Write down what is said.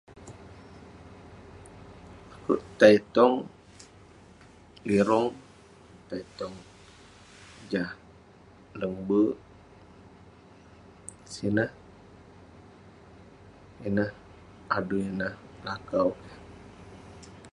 Akouk tai tong lirong, tai tong jah leng berk, sineh ineh adui neh, lakau